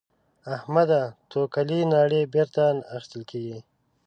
احمده؛ توکلې ناړې بېرته نه اخيستل کېږي.